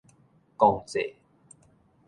公債